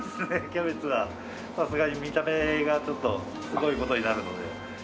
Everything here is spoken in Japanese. キャベツはさすがに見た目がちょっとすごい事になるので。